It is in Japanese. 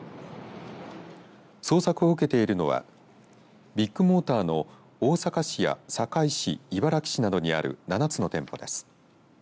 捜索を受けているのはビッグモーターの大阪市や堺市茨木市などにある７つの店舗です。